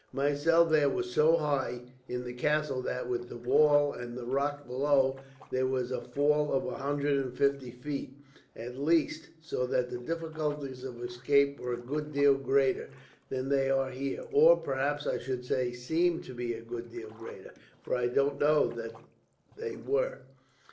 My cell there was so high in the castle that, with the wall and the rock below, there was a fall of a hundred and fifty feet, at least; so that the difficulties of escape were a good deal greater than they are here or perhaps I should say seemed to be a good deal greater, for I don't know that they were.